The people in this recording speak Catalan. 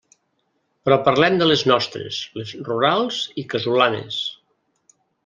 Però parlem de les nostres, les rurals i casolanes.